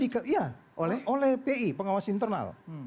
iya oleh pi pengawas internal